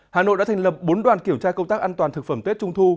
hà nội đã thành lập bốn đoàn kiểm tra công tác an toàn thực phẩm tết trung thu